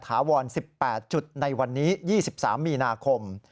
ถาวร๑๘จุดในวันนี้๒๓มีนาคม